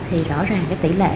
thì rõ ràng cái tỷ lệ